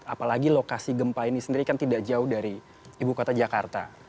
apalagi lokasi gempa ini sendiri kan tidak jauh dari ibu kota jakarta